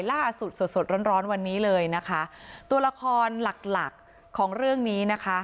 สดสดร้อนร้อนวันนี้เลยนะคะตัวละครหลักหลักของเรื่องนี้นะคะ